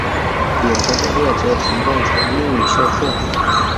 有的专业则提供纯英语授课。